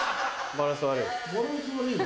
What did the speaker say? バランス悪いな。